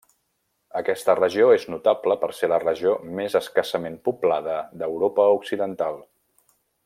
Aquesta regió és notable per ser la regió més escassament poblada d'Europa Occidental.